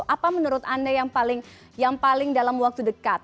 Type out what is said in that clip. apa menurut anda yang paling dalam waktu dekat